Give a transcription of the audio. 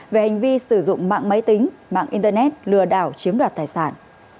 về hành vi sử dụng mạng máy tính mạng internet lừa đảo chiếm đoạt tài sản